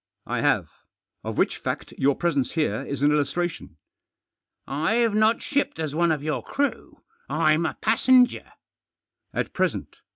" I have. Of which fact your presence here is an illustration." "I've not shipped as or\e of your crew. Frn a passenger." "At present.